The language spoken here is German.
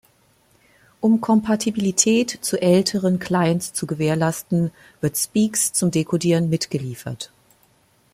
Um Kompatibilität zu älteren Clients zu gewährleisten, wird Speex zum Dekodieren mitgeliefert.